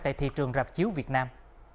tại thị trường rạp chiếu việt nam